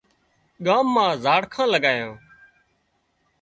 ڳام مان زاڙکان لڳايان